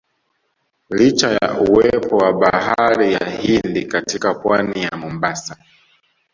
Licha ya uwepo wa bahari ya Hindi katika Pwani ya Mombasa